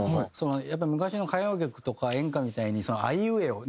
やっぱり昔の歌謡曲とか演歌みたいに「あいうえお」